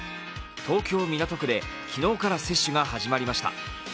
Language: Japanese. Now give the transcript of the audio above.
東京・港区で昨日から接種が始まりました。